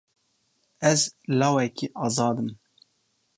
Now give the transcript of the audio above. Ez lawekî azad im.